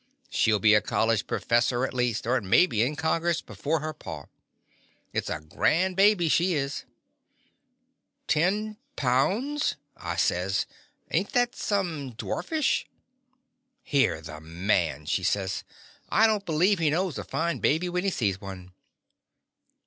She '11 be a college profes soress at least, or maybe in Congress before her pa. It 's a grand baby she isr "Ten pounds!" I says; "ain't that some dwarfish?" "Hear the man!" she says. "I don't believe he knows a fine baby when he sees one."